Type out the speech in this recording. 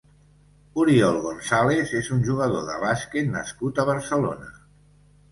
Oriol González és un jugador de bàsquet nascut a Barcelona.